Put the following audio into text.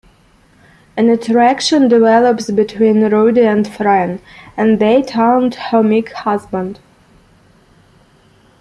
An attraction develops between Rudy and Fran and they taunt her meek husband.